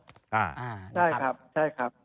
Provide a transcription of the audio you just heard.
ใช่ครับใช่ครับ